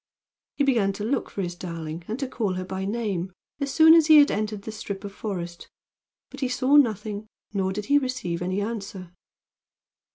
He began to look for his darling and to call her by name as soon as he had entered the strip of forest, but he saw nothing nor did he receive any answer.